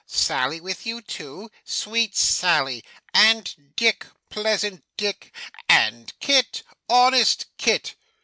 Sally with you too? Sweet Sally! And Dick? Pleasant Dick! And Kit! Honest Kit!